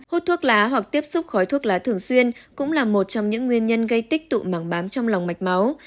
hút thuốc lá hoặc tiếp xúc khói thuốc lá thường xuyên cũng là một trong những nguyên nhân gây tích tụ mảng bám trong lòng mạch máu